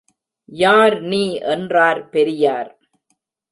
யார் நீ என்றார் பெரியார்.